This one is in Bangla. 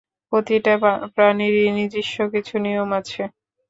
প্রতিটা প্রাণীরই নিজস্ব নিছু নিয়ম আছে।